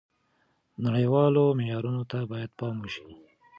نړیوالو معیارونو ته باید پام وشي.